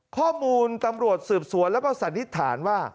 ข้อมูลตำรวจสืบสวนแล้วก็สันนิษฐานว่า